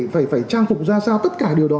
phải trang phục ra sao tất cả điều đó